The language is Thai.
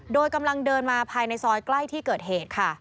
โดยกำลังเดินมาภายในซอยใกล้ที่เกิดเหตุค่ะ